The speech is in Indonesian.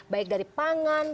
baik dari pangan